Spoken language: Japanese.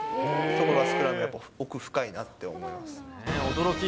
そこがスクラム、奥深いなって思驚き。